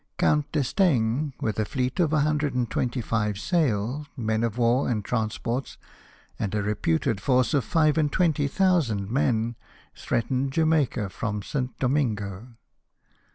Count d'Estaing, with a fleet of 125 sail, men of war and transports, and a reputed force of five and twenty thousand men, threatened Jamaica from St. Domingo.